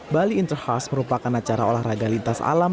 bali interhas merupakan acara olahraga lintas alam